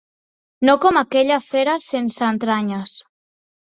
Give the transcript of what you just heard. No com aquella fera sense entranyes.